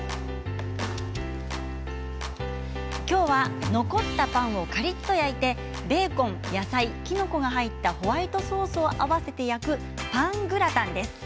今日は残ったパンをカリっと焼いてベーコン、野菜きのこが入ったホワイトソースを合わせて焼くパングラタンです。